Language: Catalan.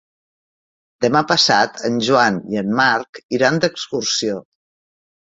Demà passat en Joan i en Marc iran d'excursió.